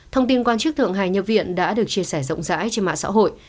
thông tin quan chức thượng hải nhập viện đã được chia sẻ rộng rãi trên mạng xã hội